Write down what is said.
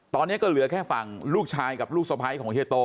ตอนนี้ก็เหลือแค่ฝั่งลูกชายกับลูกสะพ้ายของเฮียโต